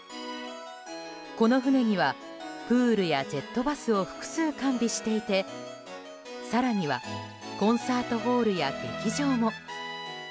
この船にはプールやジェットバスを複数完備していて更にはコンサートホールや劇場も。